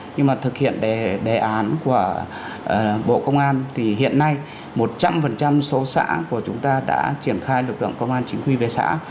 nhưng mà thực hiện đề án của bộ công an thì hiện nay một trăm linh số xã của chúng ta đã triển khai lực lượng công an chính quy về xã